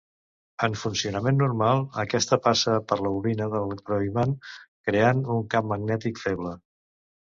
En funcionament normal, aquesta passa per la bobina de l'electroimant creant un camp magnètic feble.